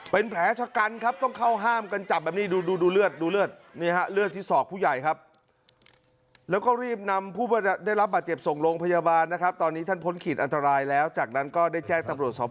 เป็นแผลชะกันครับต้องเข้าห้ามกันจับแบบนี้ดูเลือดเลือดที่ศอกผู้ใหญ่ครับ